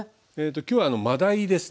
今日は真だいですね。